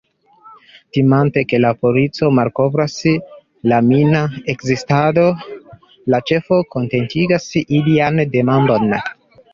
Timante ke la polico malkovras la mina ekzistado, la ĉefo kontentigas ilian demandon.